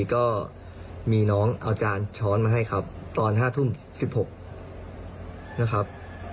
ก็มีน้องเอาจานช้อนมาให้ครับตอน๕ทุ่ม๑๖นะครับ